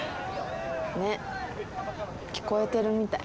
「ねっ聞こえてるみたい」